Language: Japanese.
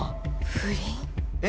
不倫？え？